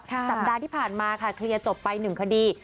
สัปดาห์ที่ผ่านมาค่ะเคลียร์จบไป๑คดี